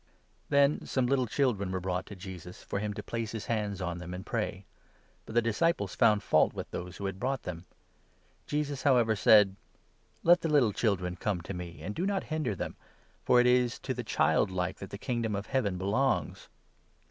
Jesus blesses Then some little children were brought to Jesus, .13 uttie for him to place his hands on them, and pray ; children, but the disciples found fault with those who had brought them. Jesus, however, said : 14 "Let the little children come to me, and do not hinder them, for it is to the childlike that the Kingdom of Heaven belongs."